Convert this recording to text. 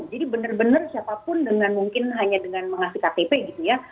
jadi benar benar siapapun dengan mungkin hanya dengan mengasih ktp gitu ya